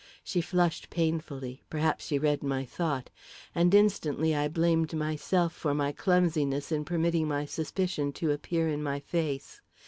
She flushed painfully perhaps she read my thought; and instantly I blamed myself for my clumsiness in permitting my suspicion to appear in my face.